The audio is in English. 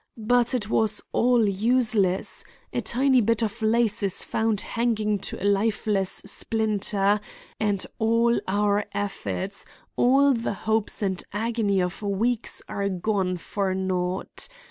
But it was all useless—a tiny bit of lace is found hanging to a lifeless splinter, and all our efforts, all the hopes and agony of weeks are gone for naught.